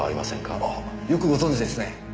あよくご存じですね。